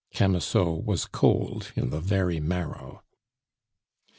Camusot was cold in the very marrow.